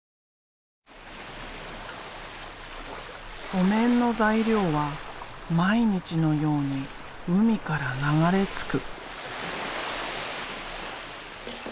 お面の材料は毎日のように海から流れ着く。